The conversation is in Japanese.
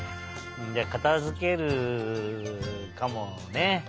じゃあかたづけるかもね。